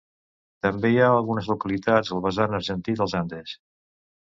També hi ha algunes localitats al vessant argentí dels Andes.